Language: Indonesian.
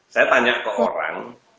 saya tanya ke orang